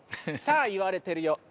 さぁ言われてるよ。